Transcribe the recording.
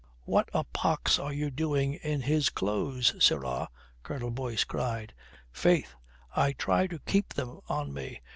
"What a pox are you doing in his clothes, sirrah?" Colonel Boyce cried. "Faith, I try to keep them on me.